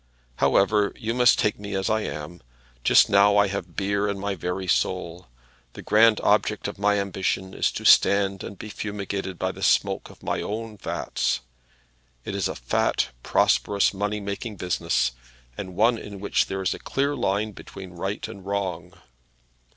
However, you must take me as I am. Just now I have beer in my very soul. The grand object of my ambition is to stand and be fumigated by the smoke of my own vats. It is a fat, prosperous, money making business, and one in which there is a clear line between right and wrong.